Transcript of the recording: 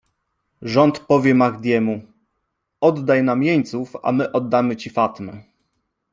- Rząd powie Mahdiemu: "Oddaj nam jeńców, a my oddamy ci Fatme..."